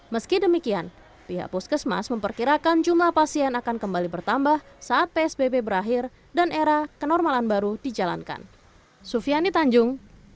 meski demikian pihak puskesmas memperkirakan jumlah pasien akan kembali bertambah saat psbb berakhir dan era kenormalan baru dijalankan